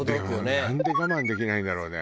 でもなんで我慢できないんだろうね。